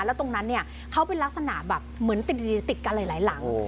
แล้วตรงนั้นเนี่ยเขาเป็นลักษณะแบบเหมือนติดกันหลายหลัง